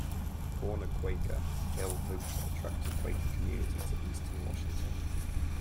Born a Quaker, Hill hoped to attract a Quaker community to eastern Washington.